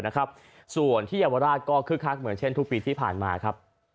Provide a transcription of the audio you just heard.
ส่วนอย่างที่แยวราชก็คึกคักเหมือนเช่นทุกปีที่ผ่านมา